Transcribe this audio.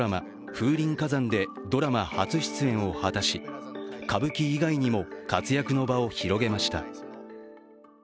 「風林火山」でドラマ初出演を果たし、歌舞伎以外にも活躍の場を広げました。